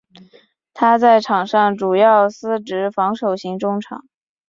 他在场上主要司职防守型中场。